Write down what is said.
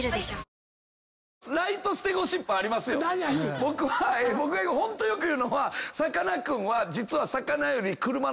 僕はホントよく言うのはさかなクンは。